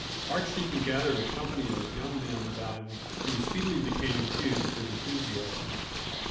Archdeacon gathered a company of young men about him who speedily became imbued with his enthusiasm.